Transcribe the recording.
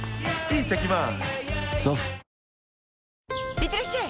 いってらっしゃい！